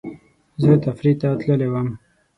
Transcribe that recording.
زه تفریح ته تللی وم